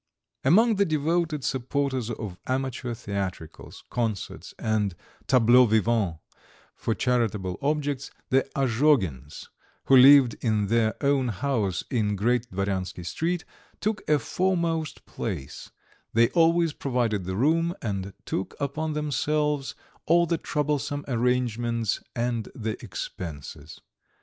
II Among the devoted supporters of amateur theatricals, concerts and tableaux vivants for charitable objects the Azhogins, who lived in their own house in Great Dvoryansky Street, took a foremost place; they always provided the room, and took upon themselves all the troublesome arrangements and the expenses.